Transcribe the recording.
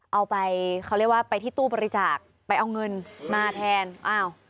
เอาไปเขาเรียกว่าไปที่ตู้บริจาคไปเอาเงินมาแทนอ้าว